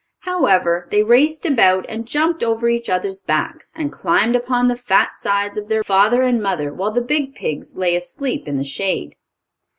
However, they raced about, and jumped over each other's backs, and climbed upon the fat sides of their father and mother while the big pigs lay asleep in the shade.